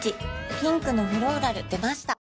ピンクのフローラル出ました